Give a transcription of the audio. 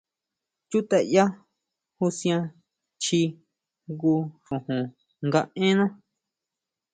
Chutʼaya jusian chji jngu xojon nga énna.